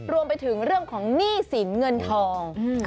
รวมไปถึงเรื่องของหนี้สินเงินทอง